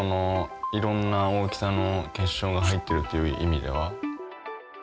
いろんな大きさの結晶が入ってるっていう意味では。